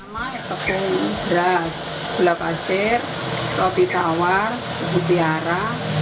nama tepung beras gula pasir roti tawar bubur biara